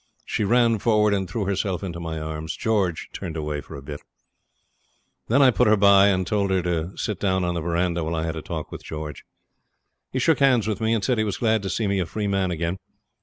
She ran forward and threw herself into my arms. George turned away for a bit. Then I put her by, and told her to sit down on the verandah while I had a talk with George. He shook hands with me, and said he was glad to see me a free man again.